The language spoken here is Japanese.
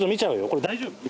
これ大丈夫？